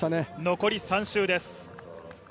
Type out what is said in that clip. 残り３周です。